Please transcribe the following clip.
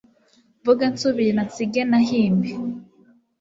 mvuge nsubira nsige nahimbe